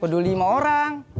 kedua lima orang